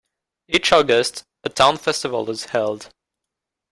Each August, a town festival is held.